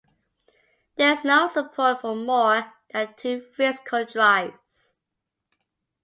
There is no support for more than two physical drives.